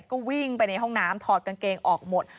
ก็วิ่งไปในห้องน้ำถอดกางเกงออกหมด